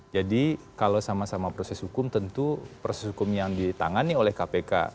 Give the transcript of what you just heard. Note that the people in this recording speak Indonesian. kalau sama sama proses hukum tentu proses hukum yang ditangani oleh kpk